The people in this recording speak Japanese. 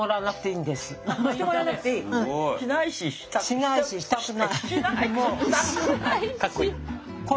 しないししたくない。